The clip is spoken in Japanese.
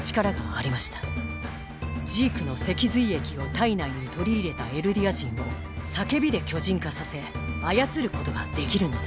ジークの脊髄液を体内に取り入れたエルディア人を叫びで巨人化させ操ることができるのです。